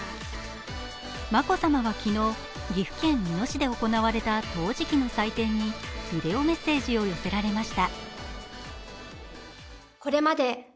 眞子さまは昨日、岐阜県美濃市で行われた陶磁器の祭典にビデオメッセージを寄せられました。